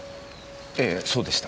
ええそうでした。